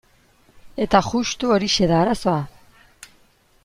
Eta justu horixe da arazoa.